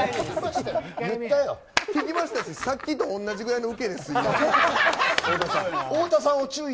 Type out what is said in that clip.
それは聞きましたしさっきと同じぐらいのウケです、今も。